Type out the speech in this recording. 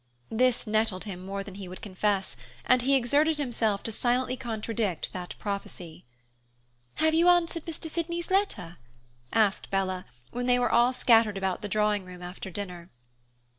This nettled him more than he would confess, and he exerted himself to silently contradict that prophecy. "Have you answered Mr. Sydney's letter?" asked Bella, when they were all scattered about the drawing room after dinner.